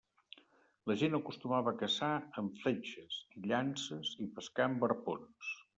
La gent acostumava a caçar amb fletxes i llances i pescar amb arpons.